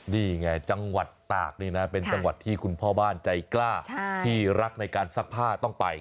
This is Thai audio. นี่ไงจังหวัดตากนี่นะเป็นจังหวัดที่คุณพ่อบ้านใจกล้าที่รักในการซักผ้าต้องไป